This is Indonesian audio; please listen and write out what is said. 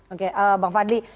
oke bang fadli